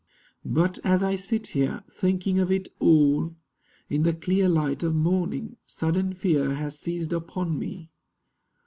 But as I sit here, thinking of it all In the clear light of morning, sudden fear Has seized upon me.